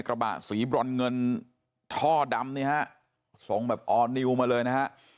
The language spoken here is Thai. กระบะสีบรอนเงินท่อดำเนี่ยฮะส่งแบบออร์นิวมาเลยนะฮะ